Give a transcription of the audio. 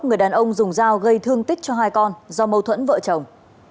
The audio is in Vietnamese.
người đàn ông dùng dao gây thương tích cho hai con do mâu thuẫn vợ chồng